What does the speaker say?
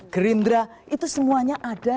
gerindra itu semuanya ada